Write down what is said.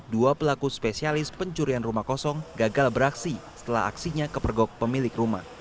dua pelaku spesialis pencurian rumah kosong gagal beraksi setelah aksinya kepergok pemilik rumah